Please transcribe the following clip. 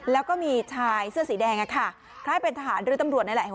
แล้วก็มีชายเสื้อสีแดงอะค่ะคล้ายเป็นทหารหรือตำรวจนั่นแหละ